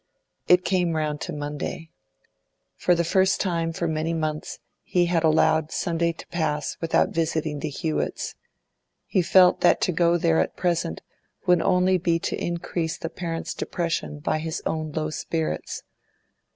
It came round to Monday. For the first time for many months he had allowed Sunday to pass without visiting the Hewetts. He felt that to go there at present would only be to increase the parents' depression by his own low spirits.